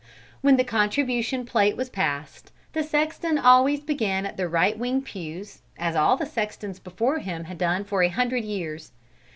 When the contribution plate was passed, the sexton always began at the right wing pews, as all the sextons before him had done for a hundred years.